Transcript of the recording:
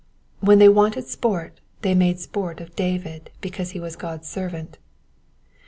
When they wanted sport they made sport of David because ha was God^s servant.